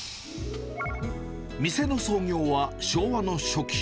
店の創業は昭和の初期。